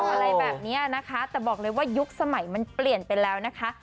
อะไรแบบนี้นะคะแต่บอกเลยว่ายุคสมัยมันเปลี่ยนไปแล้วนะคะ